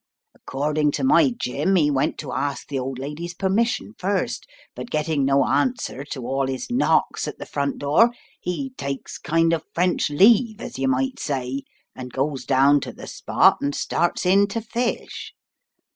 According to my Jim, he went to ask the old lady's permission first, but getting no answer to all his knocks at the front door, he takes kind of French leave, as yer might say, and goes down to the spot, and starts in to fish.